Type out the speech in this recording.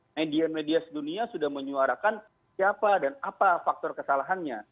media media sedunia sudah menyuarakan siapa dan apa faktor kesalahannya